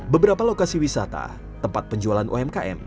beberapa lokasi wisata tempat penjualan umkm